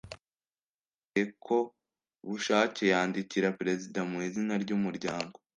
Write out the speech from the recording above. usezeye ku bushake yandikira perezida mu izina ry’umuryango